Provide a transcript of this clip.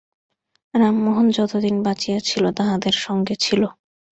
রামমোহন যতদিন বাঁচিয়াছিল, তাহাদের সঙ্গে ছিল।